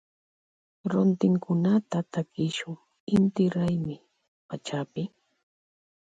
Rontinkunata takishun inti raymi pachapi.